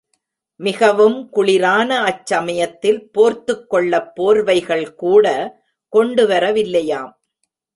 மிகவும் குளிரான அச் சமயத்தில் போர்த்துக் கொள்ளப் போர்வைகள் கூட கொண்டுவர வில்லையாம்.